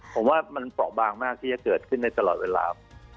ผมว่ามันเปราะบางมากที่จะเกิดขึ้นได้ตลอดเวลา